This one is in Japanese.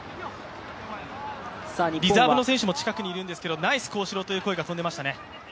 リザーブの選手も近くにいるんですけどナイス昂志郎という声が飛んでいますね。